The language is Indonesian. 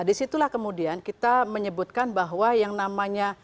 di situlah kemudian kita menyebutkan bahwa yang namanya